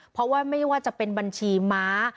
เพราะว่าไม่ว่าจะเป็นบัญชีม้า